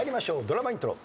ドラマイントロ。